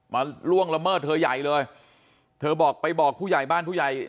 ล่วงละเมิดเธอใหญ่เลยเธอบอกไปบอกผู้ใหญ่บ้านผู้ใหญ่